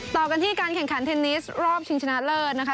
ต่อกันที่การแข่งขันเทนนิสรอบชิงชนะเลิศนะคะ